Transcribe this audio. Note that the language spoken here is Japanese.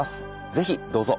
是非どうぞ。